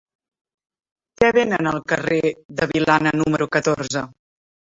Què venen al carrer de Vilana número catorze?